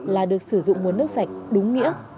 là được sử dụng mua nước sạch đúng nghĩa